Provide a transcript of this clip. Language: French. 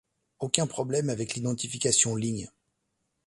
Aucun problème avec l'identification ligne.